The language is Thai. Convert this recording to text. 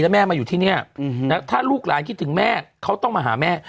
แล้วแม่มาอยู่ที่นี่ถ้าลูกหลานคิดถึงแม่เขาต้องมาหาแม่